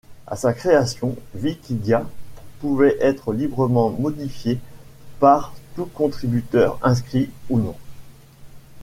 À sa création, Vikidia pouvait être librement modifiée par tout contributeur inscrit ou non.